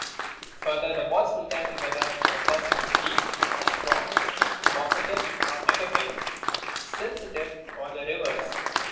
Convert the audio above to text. Further the voice will tell me whether the person is weak or strong, positive or negative, sensitive or the reverse.